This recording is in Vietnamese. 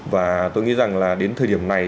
và tôi nghĩ rằng là đến thời điểm này